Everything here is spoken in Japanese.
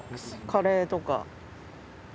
カレーとか。